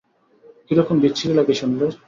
কীরকম বিচ্ছিরি লাগে শুনলে?